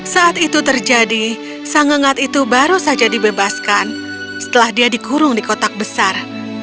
saat itu terjadi sang engat itu baru saja dibebaskan setelah dia dikurung di kotak besar